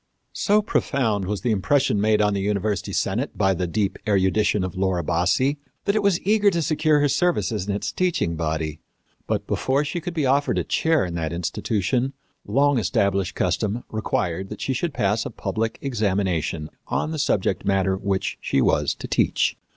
So profound was the impression made on the university senate by the deep erudition of Laura Bassi that it was eager to secure her services in its teaching body. But, before she could be offered a chair in the institution, long established custom required that she should pass a public examination on the subject matter which she was to teach.